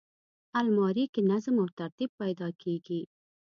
الماري کې نظم او ترتیب پیدا کېږي